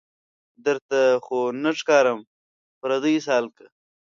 درته خو نه ښکارم پردۍ سالکه